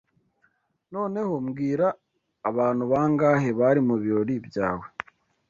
Noneho mbwira, abantu bangahe bari mubirori byawe?